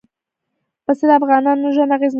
پسه د افغانانو ژوند اغېزمن کوي.